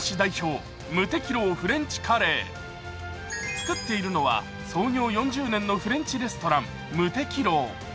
作っているのは創業４０年のフレンチレストラン、霧笛楼。